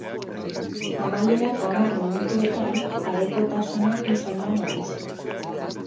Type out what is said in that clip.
Amaierako hamar minutuetan, parekotasuna izan da nagusi.